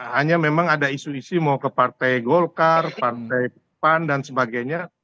hanya memang ada isu isu mau ke partai golkar partai pan dan sebagainya